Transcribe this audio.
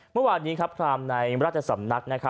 เมื่อวานนี้ครับพรามในราชสำนัก